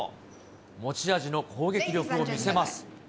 持ち味の攻撃力を見せます。